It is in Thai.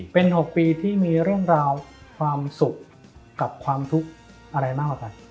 เป็น๖ปีที่มีเรื่องราวความสุขกับความทุกข์อะไรมากกว่ากัน